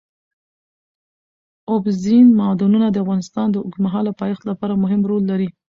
اوبزین معدنونه د افغانستان د اوږدمهاله پایښت لپاره مهم رول لري.